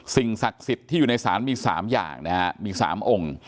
สิ่งศักดิ์สิทธิ์ที่อยู่ในศาลมี๓อย่างนะฮะมี๓องค์